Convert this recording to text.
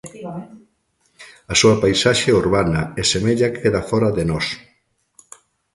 A súa paisaxe é urbana e semella que queda fóra de nós.